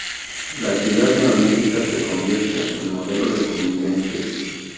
La ciudad neolítica se convierte en modelo de convivencia.